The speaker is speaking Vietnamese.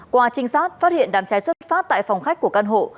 qua trinh sát phát hiện đám cháy xuất phát tại phòng khách của căn hộ